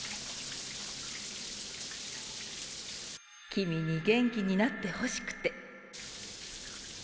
君に元気になってほしくて。